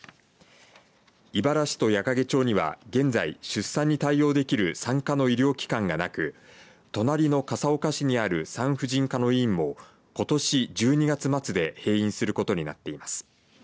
井原市と矢掛町には現在出産に対応できる産科の医療機関がなく隣の笠岡市にある産婦人科の医院もことし１２月末で閉院することになっています。